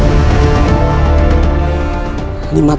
rai kian santang